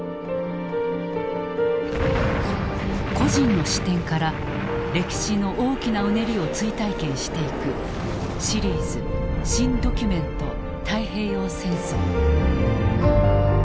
個人の視点から歴史の大きなうねりを追体験していく「シリーズ新・ドキュメント太平洋戦争」。